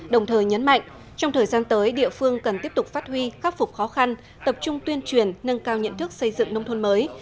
đồng thời nhấn mạnh trong thời gian tới địa phương cần tiếp tục phát huy khắc phục khó khăn tập trung tuyên truyền nâng cao nhận thức xây dựng nông thôn mới